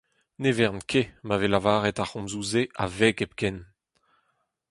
Ne vern ket ma vez lavaret ar c'homzoù-se a-veg hepken.